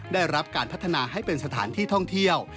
ได้รับการพัฒนาให้เป็นสถานที่ท่องเที่ยว